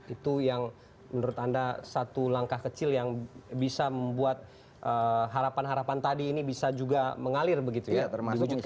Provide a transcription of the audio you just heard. itu yang menurut anda satu langkah kecil yang bisa membuat harapan harapan tadi ini bisa juga mengalir begitu ya